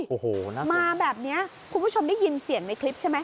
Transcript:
โอ้โหมาแบบนี้คุณผู้ชมได้ยินเสียงในคลิปใช่ไหม